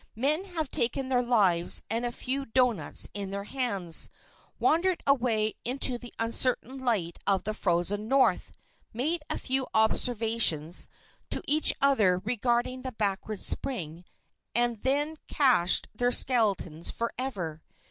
Men have taken their lives and a few doughnuts in their hands, wandered away into the uncertain light of the frozen north, made a few observations to each other regarding the backward spring and then cached their skeletons forever.